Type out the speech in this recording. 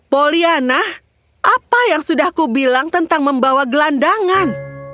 poliana apa yang sudah aku bilang tentang membawa gelandangan